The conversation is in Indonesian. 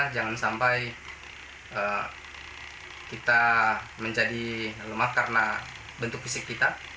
jangan sampai kita menjadi lemak karena bentuk fisik kita